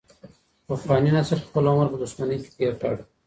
پخواني نسل خپل عمر په دښمنۍ کي تیر کړ.